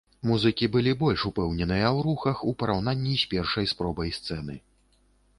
Музыкі былі больш упэўненыя ў рухах у параўнанні з першай спробай сцэны.